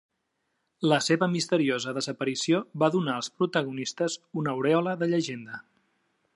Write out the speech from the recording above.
La seva misteriosa desaparició va donar als protagonistes una aurèola de llegenda.